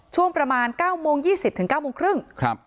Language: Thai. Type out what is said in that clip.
ช่วงประมาณ๙โมง๒๐ถึง๙โมงครึ่ง